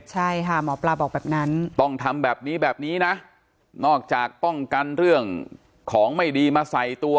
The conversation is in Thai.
ใช่ค่ะหมอปลาบอกแบบนั้นต้องทำแบบนี้แบบนี้นะนอกจากป้องกันเรื่องของไม่ดีมาใส่ตัว